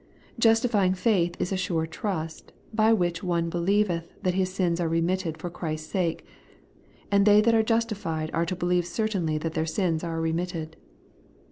Justifying faith is a sure trust, by which one believeth that his sins are remitted for Christ's sake ; and they that are justified are to believe certainly that their sins are remitted.